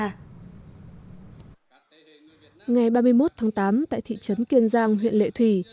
ngày ba mươi một tháng tám tại thị trấn kiên giang huyện lệ thủy